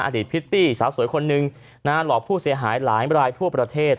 พริตตี้สาวสวยคนหนึ่งหลอกผู้เสียหายหลายรายทั่วประเทศ